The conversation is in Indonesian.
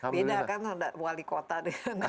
beda kan ada wali kota dengan